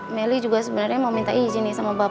meli juga sebenernya mau minta izin nih sama bapaknya